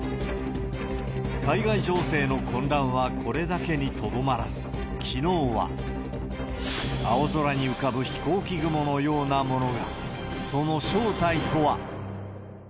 海外情勢の混乱は、これだけにとどまらず、青空に浮かぶ飛行機雲のようなもの。